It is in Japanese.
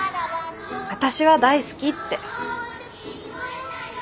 私は大好きって。